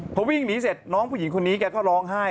พอวิ่งหนีเสร็จน้องผู้หญิงคนนี้แกก็ร้องไห้